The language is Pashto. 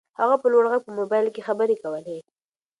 هغه په لوړ غږ په موبایل کې خبرې کولې.